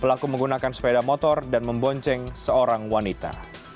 pelaku menggunakan sepeda motor dan membonceng seorang wanita